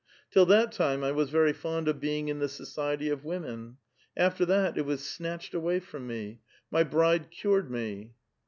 Till that time I was very fond of being in the society of women. After that, it was snatched away from me. My bride cured me."